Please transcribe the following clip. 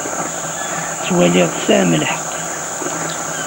Ttwaliɣ tesɛam lḥeqq.